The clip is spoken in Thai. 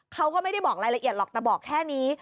เขาก็ไม่ได้บอกรายละเอียดหรอกแต่บอกแค่นี้